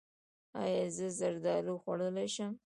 ایا زه زردالو خوړلی شم؟